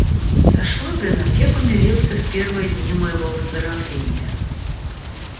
Со Швабриным я помирился в первые дни моего выздоровления.